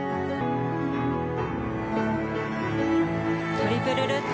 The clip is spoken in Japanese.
トリプルルッツ。